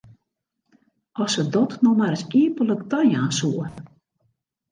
As se dat no mar ris iepentlik tajaan soe!